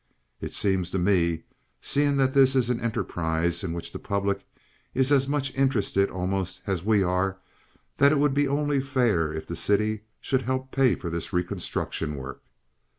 It seems to me, seeing that this is an enterprise in which the public is as much interested almost as we are, that it would only be fair if the city should help pay for this reconstruction work.